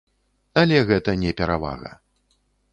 Але гэта не перавага.